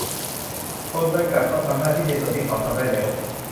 คนไปกักก็ทำหน้าที่ในส่วนที่เขาทำได้แล้ว